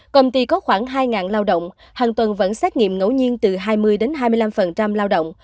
công ty có khoảng hai lao động hàng tuần vẫn xét nghiệm ngẫu nhiên từ hai mươi hai mươi năm lao động